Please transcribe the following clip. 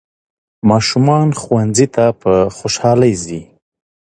ماشومان ښوونځي ته په خوشحالۍ ځي